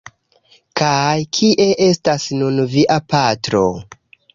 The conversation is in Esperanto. Kaj kie estas nun via patro?